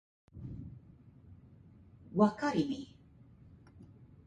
わかりみ